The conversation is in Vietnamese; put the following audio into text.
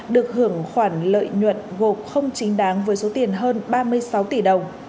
được hưởng khoản lợi nhuận gộp không chính đáng với số tiền hơn ba mươi sáu tỷ đồng